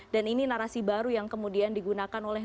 dan ini narasi baru yang kemudian digunakan oleh dua